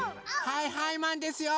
はいはいマンですよ！